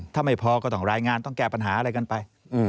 ถ้าไม่พอก็ต้องรายงานต้องแก้ปัญหาอะไรกันไป